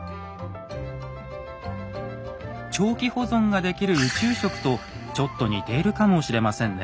長期保存ができる宇宙食とちょっと似ているかもしれませんね。